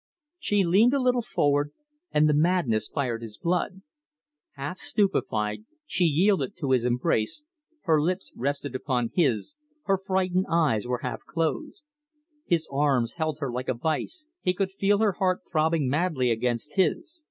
She leaned a little forward, and the madness fired his blood. Half stupefied, she yielded to his embrace, her lips rested upon his, her frightened eyes were half closed. His arms held her like a vice, he could feel her heart throbbing madly against his.